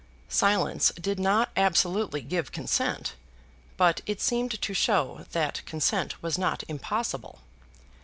Silence did not absolutely give consent, but it seemed to show that consent was not impossible.